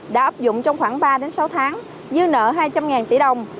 đã áp dụng trong khoảng ba sáu tháng dư nợ hai trăm linh tỷ đồng